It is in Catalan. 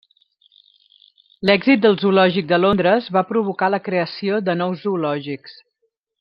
L'èxit del Zoològic de Londres va provocar la creació de nous zoològics.